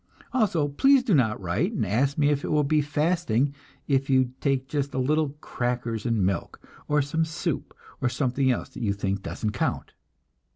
Also please do not write and ask me if it will be fasting if you take just a little crackers and milk, or some soup, or something else that you think doesn't count!